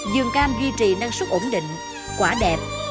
dường cam duy trì năng suất ổn định quả đẹp